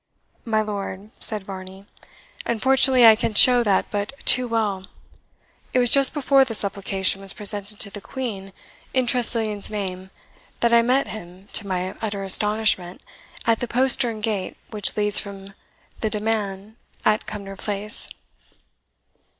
"My lord," said Varney, "unfortunately I can show that but too well. It was just before the supplication was presented to the Queen, in Tressilian's name, that I met him, to my utter astonishment, at the postern gate which leads from the demesne at Cumnor Place."